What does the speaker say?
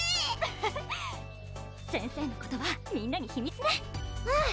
フフ先生のことはみんなに秘密ねうん！